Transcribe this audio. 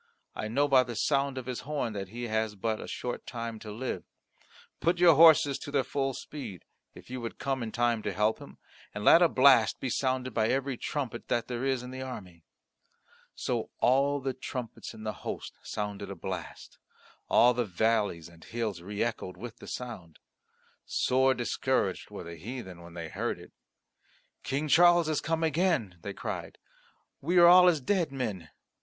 I know by the sound of his horn that he has but a short time to live. Put your horses to their full speed, if you would come in time to help him, and let a blast be sounded by every trumpet that there is in the army." So all the trumpets in the host sounded a blast; all the valleys and hills re echoed with the sound; sore discouraged were the heathen when they heard it. "King Charles has come again," they cried; "we are all as dead men.